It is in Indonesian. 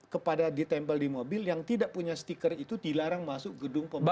kepada ditempel di mobil yang tidak punya stiker itu dilarang masuk gedung pemerintah